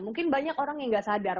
mungkin banyak orang yang nggak sadar